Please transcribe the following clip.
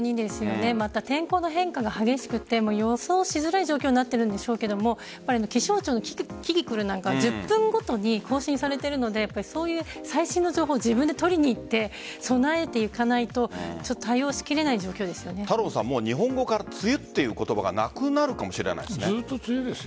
また、天候の変化が激しくて予想しづらい状況になっているんでしょうけど気象庁のキキクルなんか１０分ごとに更新されているのでそういう最新の情報を自分で取りにいって備えていかないと日本語から梅雨という言葉がずっと梅雨です。